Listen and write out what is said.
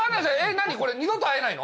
何これ二度と会えないの？